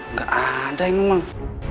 nggak ada yang emang